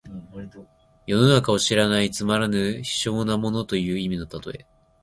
世の中を知らないつまらぬ卑小な者という意味の例え。